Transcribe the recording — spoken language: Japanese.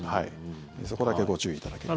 そこだけご注意いただければ。